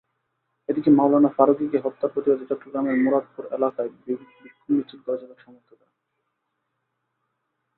এদিকে মাওলানা ফারুকীকে হত্যার প্রতিবাদে চট্টগ্রামের মুরাদপুর এলাকায় বিক্ষোভ মিছিল করেছে তাঁরা সমর্থকেরা।